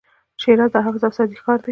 شیراز د حافظ او سعدي ښار دی.